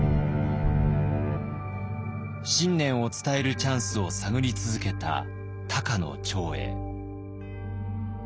信念を伝えるチャンスを探り続けた高野長英。